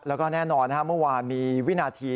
แล้วก็แน่นอนเมื่อวานมีวินาที